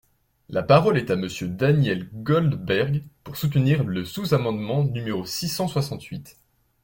La parole est à Monsieur Daniel Goldberg, pour soutenir le sous-amendement numéro six cent soixante-huit.